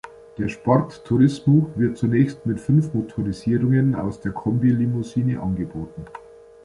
Der Sport Turismo wird zunächst mit fünf Motorisierungen aus der Kombilimousine angeboten.